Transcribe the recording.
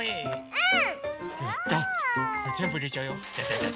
うん！